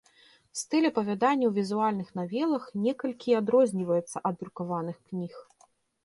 Стыль апавядання ў візуальных навелах некалькі адрозніваецца ад друкаваных кніг.